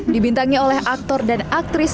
dibintangi oleh aktor dan aktris